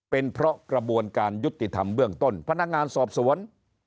เป็นเพราะกระบวนการยุติธรรมเบื้องต้นพนักงานสอบสวน